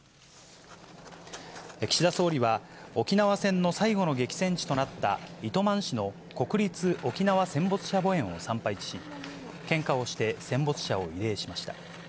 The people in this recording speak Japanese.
岸田総理は、沖縄戦の最後の激戦地となった糸満市の国立沖縄戦没者墓苑を参拝し、献花をして、戦没者を慰霊しました。